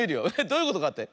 どういうことかって？